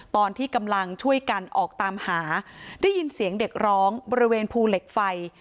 ตอนที่กำลังช่วยกันออกตามหาได้ยินเสียงเด็กร้องบริเวณภูเหล็กไฟ